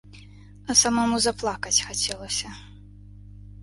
А самому заплакаць хацелася.